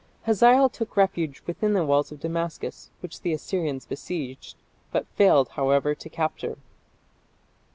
Hazael took refuge within the walls of Damascus, which the Assyrians besieged, but failed, however, to capture.